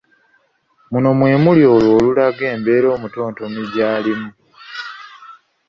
Muno mwe muli olwo olulaga embeera omutontomi gyaba alimu.